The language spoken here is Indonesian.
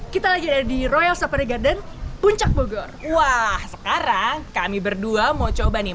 kita lagi ada di royal super garden puncak bogor wah sekarang kami berdua mau coba nih